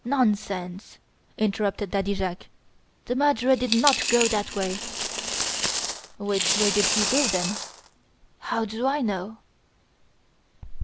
"Nonsense!" interrupted Daddy Jacques; "the murderer did not go that way." "Which way did he go, then?" "How do I know?"